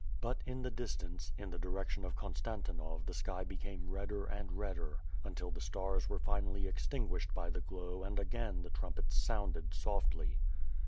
But in the distance, in the di rection of Konstantinov the sky became redder and redder until the stars were finally extinguished by the glow and again the trumpets sounded softly.